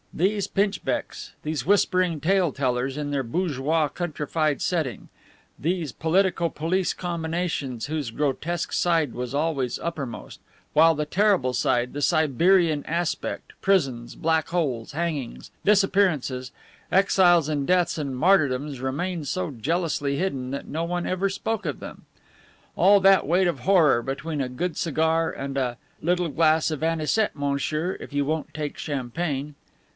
These pinchbecks, these whispering tale tellers in their bourgeois, countrified setting; these politico police combinations whose grotesque side was always uppermost; while the terrible side, the Siberian aspect, prisons, black holes, hangings, disappearances, exiles and deaths and martyrdoms remained so jealously hidden that no one ever spoke of them! All that weight of horror, between a good cigar and "a little glass of anisette, monsieur, if you won't take champagne."